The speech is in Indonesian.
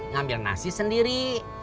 ngambil nasi sendiri